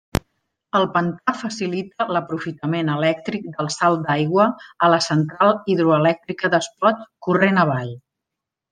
El pantà facilita l'aprofitament elèctric del salt d'aigua a la Central hidroelèctrica d'Espot, corrent avall.